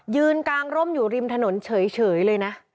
ยืนกางร่มอยู่ริมถนนเฉยเลยนะ